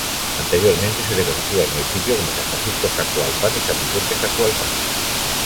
Anteriormente se le conocía al municipio como San Francisco Zacualpan y San Vicente Zacualpan.